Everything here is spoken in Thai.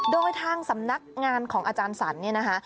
โดยทางสำนักงานของอาจารย์สรรเนี่ยนะคะ